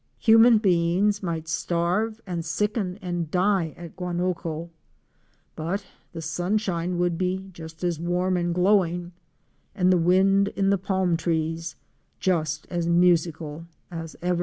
Human beings might starve and sicken and die at Guanoco, but the sunshine would be just as warm and glowing and the wind in the palm trees just as musical as ever.